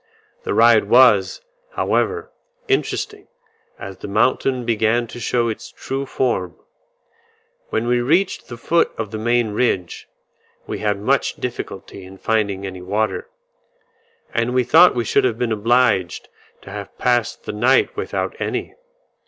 The ride was, however, interesting, as the mountain began to show its true form. When we reached the foot of the main ridge, we had much difficulty in finding any water, and we thought we should have been obliged to have passed the night without any.